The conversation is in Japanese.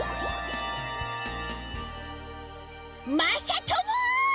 まさとも！